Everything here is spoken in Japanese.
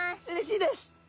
うれしいです。